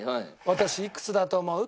「私いくつだと思う？